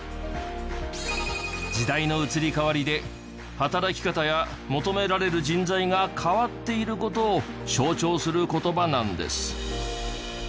時代の移り変わりで働き方や求められる人材が変わっている事を象徴する言葉なんです。